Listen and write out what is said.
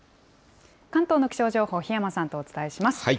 関東の気象情報、檜山さんとお伝えします。